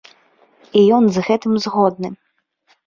І ён з гэтым згодны.